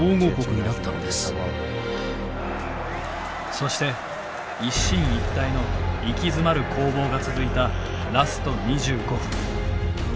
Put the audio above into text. そして一進一退の息詰まる攻防が続いたラスト２５分。